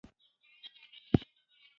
دوی په پښتو هم خپرونې کوي.